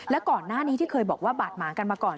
แล้วก่อนหน้านี้ที่เคยบอกว่าบาดหมางกันมาก่อน